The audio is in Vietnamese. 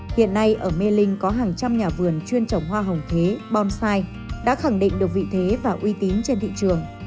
hiện nay ở mê linh có hàng trăm nhà vườn chuyên trồng hoa hồng thế bonsai đã khẳng định được vị thế và uy tín trên thị trường